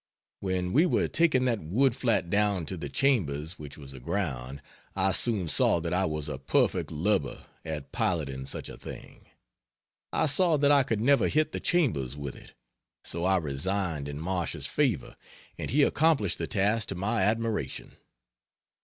When we were taking that wood flat down to the Chambers, which was aground, I soon saw that I was a perfect lubber at piloting such a thing. I saw that I could never hit the Chambers with it, so I resigned in Marsh's favor, and he accomplished the task to my admiration.